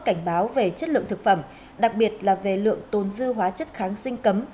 cảnh báo về chất lượng thực phẩm đặc biệt là về lượng tồn dư hóa chất kháng sinh cấm